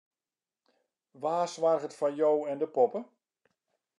Wa soarget foar jo en de poppe?